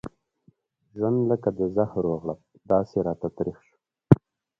ژوند لکه د زهرو غړپ داسې راته تريخ شو.